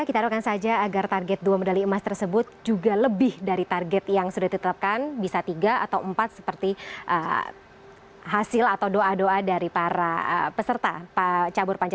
kita akan saja agar target dua medali emas